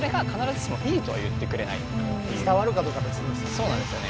そうなんですよね。